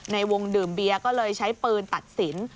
ในวงดื่มเบียร์ก็เลยใช้ปืนตัดสิน